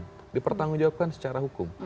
tidak ditanggung jawabkan secara hukum